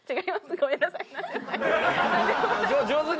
ごめんなさい。